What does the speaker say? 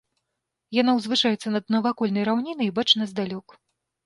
Яна ўзвышаецца над навакольнай раўнінай і бачна здалёк.